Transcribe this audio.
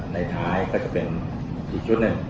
ในท้ายก็จะเป็นอีกชุดหนึ่ง